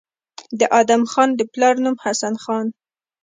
د ادم خان د پلار نوم حسن خان